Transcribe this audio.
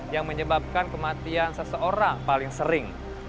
yang menyebabkan kematian seseorang paling sering